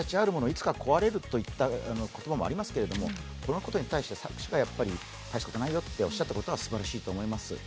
いつか壊れるという言葉もありますけどもこのことに対して、作者が、大したことないよとおっしゃったことがすばらしいと思います。